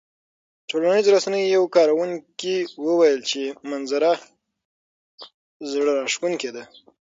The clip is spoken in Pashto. ټولنیزو رسنیو یو کاروونکي وویل چې منظره زړه راښکونکې ده.